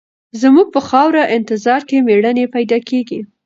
زموږ په خاوره انتظار کې مېړني پیدا کېږي.